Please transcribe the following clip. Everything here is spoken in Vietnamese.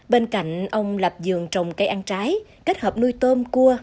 bên cạnh ông lập dường trồng cây ăn trái kết hợp nuôi tôm cua